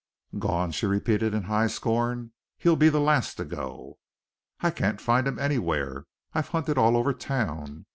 "Gone!" she repeated in high scorn. "He'll be the last to go." "I can't find him anywhere I've hunted all over town.